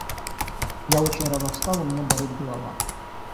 Я очень рано встал, у меня болит голова.